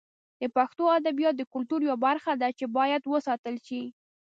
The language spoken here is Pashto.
د پښتو ادبیات د کلتور یوه برخه ده چې باید وساتل شي.